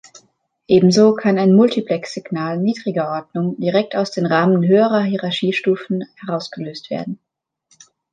Ebenso kann ein Multiplex-Signal niedriger Ordnung direkt aus den Rahmen höherer Hierarchiestufen herausgelöst werden.